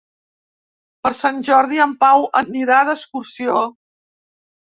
Per Sant Jordi en Pau anirà d'excursió.